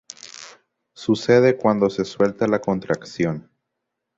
Sucede cuando se suelta la contracción.